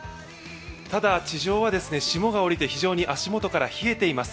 ただ地上は霜が降りて足元から冷えています。